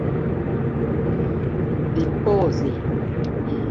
ripozi